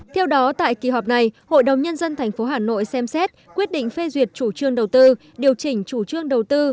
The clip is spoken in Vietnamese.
theo đó tại kỳ họp này hội đồng nhân dân tp hà nội xem xét quyết định phê duyệt chủ trương đầu tư điều chỉnh chủ trương đầu tư